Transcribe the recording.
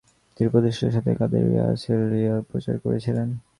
তিনি প্রচেষ্টার সাথে কাদেরিয়া সিলসিলার প্রচার করেছিলেন।